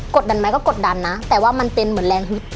ดดันไหมก็กดดันนะแต่ว่ามันเป็นเหมือนแรงฮึด